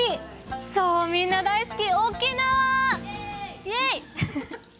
そう、みんな大好き沖縄。